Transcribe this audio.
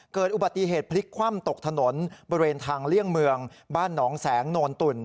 เกิดอุบัติเหตุพลิกคว่ำตกถนนบริเวณทางเลี่ยงเมืองบ้านหนองแสงโนนตุ่น